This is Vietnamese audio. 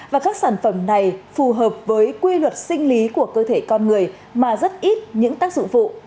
và các sản phẩm này phù hợp với quy luật sinh lý của cơ thể con người mà rất ít những tác dụng vụ